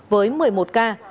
với một mươi một ca